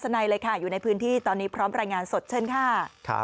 ในเลยค่ะอยู่ในพื้นที่ตอนนี้พร้อมรายงานสดเชิญค่ะ